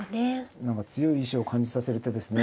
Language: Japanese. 何か強い意志を感じさせる手ですね。